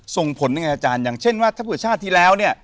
ส่งผลยังไงอาจารย์อย่างเช่นว่าถ้าเผื่อชาติที่แล้วเนี่ย